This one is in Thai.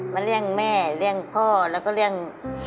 เลี่ยงแม่เลี่ยงพ่อแล้วก็เลี่ยง